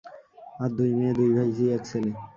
আর দুই মেয়ে, দুই ভাইঝি, এক ছেলে।